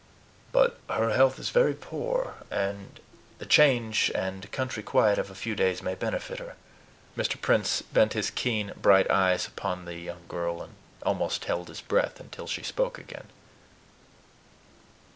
But her health is very poor; and the change and country quiet of a few days may benefit her." Mr. Prince bent his keen, bright eyes upon the young girl, and almost held his breath until she spoke again.